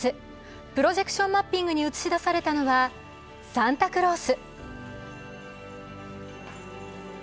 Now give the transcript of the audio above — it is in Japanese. プロジェクションマッピングに映し出されたのはサンタクロース。